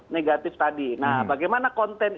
negatif tadi nah bagaimana konten